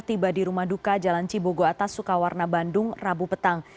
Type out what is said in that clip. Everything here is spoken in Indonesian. tiba di rumah duka jalan cibogo atas sukawarna bandung rabu petang